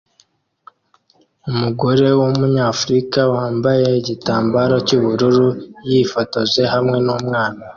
Umugore wumunyafrika wambaye igitambaro cyubururu yifotoje hamwe numwana